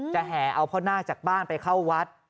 แห่เอาพ่อนาคจากบ้านไปเข้าวัด